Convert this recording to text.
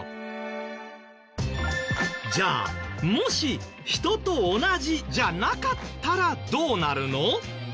じゃあもし人と同じじゃなかったらどうなるの？